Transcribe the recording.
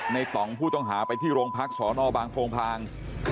ต่องผู้ต้องหาไปที่โรงพักษณบางโพงพาง